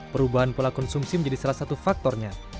perubahan pola konsumsi menjadi salah satu faktornya